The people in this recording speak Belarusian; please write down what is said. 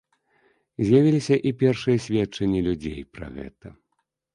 З'явіліся і першыя сведчанні людзей пра гэта.